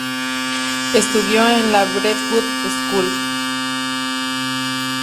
Estudió en la Brentwood School.